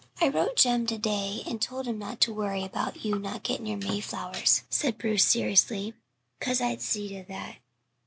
"I wrote Jem to day and told him not to worry 'bout you not getting your mayflowers," said Bruce seriously, "'cause I'd see to that.